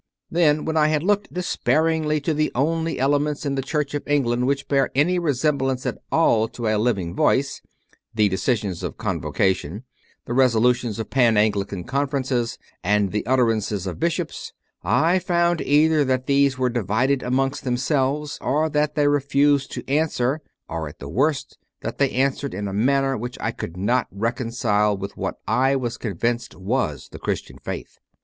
Then, when I had looked despairingly to the only elements in the Church of England which bear any resemblance at all to a Living Voice the decisions of Convocation, the resolutions of Pan Anglican Conferences, and the utterances of Bishops I found, either that these were divided amongst themselves, or that they refused to answer, or, at the worst, that they answered in a manner which I could not reconcile with what I was convinced was the Christian Faith.